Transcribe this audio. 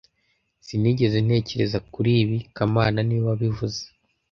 Sinigeze ntekereza kuri ibi kamana niwe wabivuze